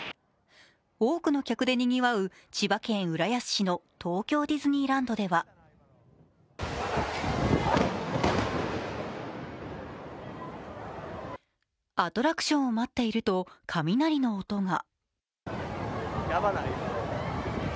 多くの客でにぎわう千葉県浦安市の東京ディズニーランドではアトラクションを待っていると雷の音が。